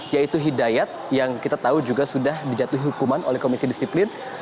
yaitu hidayat yang kita tahu juga sudah dijatuhi hukuman oleh komisi disiplin